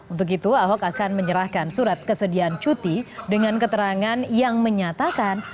untuk itu ahok akan menyerahkan surat kesediaan cuti dengan keterangan yang menyatakan